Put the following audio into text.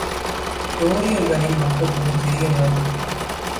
டோரியர்களின் மக்கள் தொகை சிறியதாகும்.